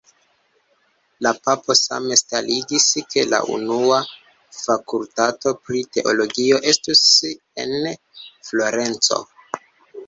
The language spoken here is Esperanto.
La papo same starigis ke la unua Fakultato pri Teologio estus en Florenco.